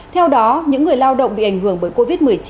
theo đó những người lao động bị ảnh hưởng bởi covid một mươi chín